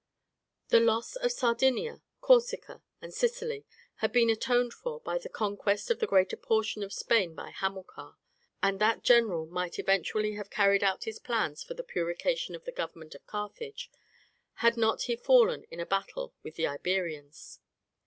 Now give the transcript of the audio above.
The loss of Sardinia, Corsica, and Sicily had been atoned for by the conquest of the greater portion of Spain by Hamilcar, and that general might eventually have carried out his plans for the purification of the government of Carthage had he not fallen in a battle with the Iberians.